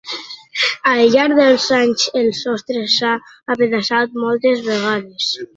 Al llarg dels anys, el sostre s'ha apedaçat moltes vegades.